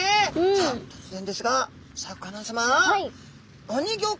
さあとつぜんですがシャーク香音さま